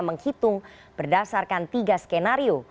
menghitung berdasarkan tiga skenario